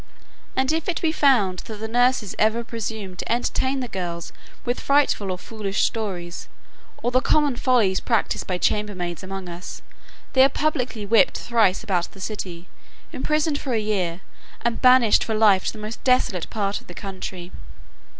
And if it be found that these nurses ever presume to entertain the girls with frightful or foolish stories, or the common follies practised by chambermaids among us, they are publicly whipped thrice about the city, imprisoned for a year, and banished for life to the most desolate part of the country.